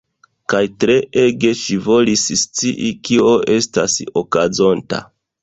Kaj treege ŝi volis scii kio estas okazonta.